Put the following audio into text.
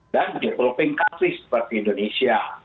dan developing country seperti indonesia